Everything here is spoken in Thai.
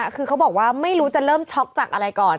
คือเขาบอกว่าไม่รู้จะเริ่มช็อกจากอะไรก่อน